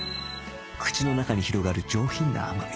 口の中に広がる上品な甘み